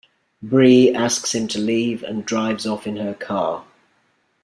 Bree asks him to leave and drives off in her car.